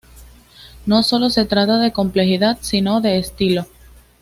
No solo se trata de complejidad, sino de estilo.